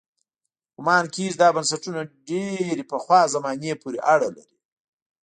ګومان کېږي دا بنسټونه ډېرې پخوا زمانې پورې اړه لري.